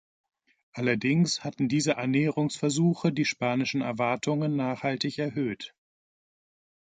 Allerdings hatten diese Annäherungsversuche die spanischen Erwartungen nachhaltig erhöht.